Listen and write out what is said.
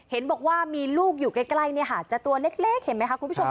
เห็นบอกว่ามีลูกอยู่ใกล้จะตัวเล็กเห็นไหมคะคุณผู้ชม